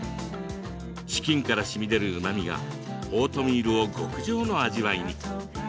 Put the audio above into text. チキンから、しみ出るうまみがオートミールを極上の味わいに。